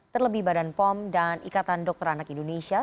terlebih badan pom dan ikatan dokter anak indonesia